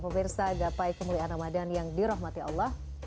pemirsa gapai kemuliaan ramadan yang dirahmati allah